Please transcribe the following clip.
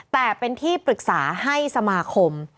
แต่เป็นที่ปรึกษาให้สมาคม